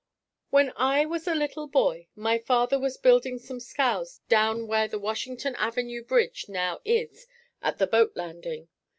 When I was a little boy my father was building some scows down where the Washington Avenue bridge now is at the boat landing.